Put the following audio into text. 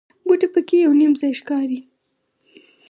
بوټي په کې یو نیم ځای ښکاري.